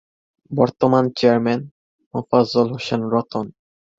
বর্তমান চেয়ারম্যান- মোফাজ্জল হোসেন রতন